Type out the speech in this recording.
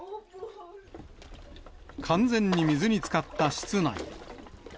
完全に水につかった室内。